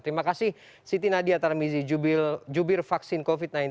terima kasih siti nadia tarmizi jubir vaksin covid sembilan belas